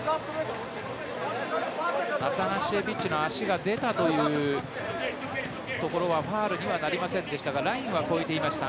アタナシエビッチの足が出たというところはファウルにはなりませんでしたがラインは越えていました。